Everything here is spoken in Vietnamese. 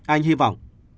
anh hy vọng